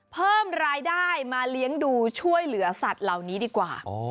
เพิ่มรายได้มาเลี้ยงดูช่วยเหลือสัตว์เหล่านี้ดีกว่า